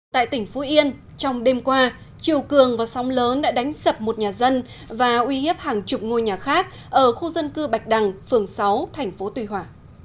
tại tỉnh phú yên trong đêm qua chiều cường và sóng lớn đã đánh sập một nhà dân và uy hiếp hàng chục ngôi nhà khác ở khu dân cư bạch đằng phường sáu thành phố tuy hòa